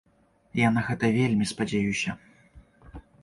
Я на гэта вельмі спадзяюся!